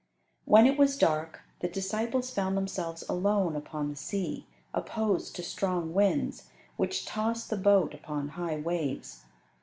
When it was dark, the disciples found themselves alone upon the sea, opposed to strong winds, which tossed the boat upon high waves.